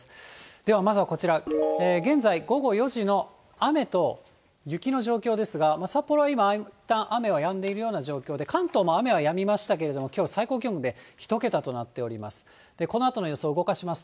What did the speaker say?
ではまずはこちら、現在、午後４時の雨と雪の状況ですが、札幌は今、いったん雨はやんでいるような状況で、関東も雨はやみましたけれども、きょう最高気温で１桁となっております。